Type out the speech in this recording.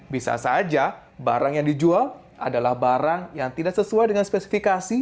bisa saja barang yang dijual adalah barang yang tidak sesuai dengan spesifikasi